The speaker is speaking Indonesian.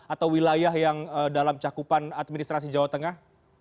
atau wilayah yang dalam cakupan administrasi jawa tengah